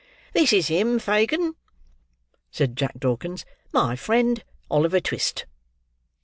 "This is him, Fagin," said Jack Dawkins; "my friend Oliver Twist."